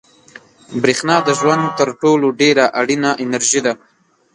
برېښنا د ژوند تر ټولو ډېره اړینه انرژي ده.